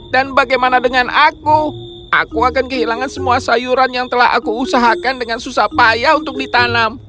dan bagaimana dengan aku aku akan kehilangan semua sayuran yang telah aku usahakan dengan susah payah untuk ditanam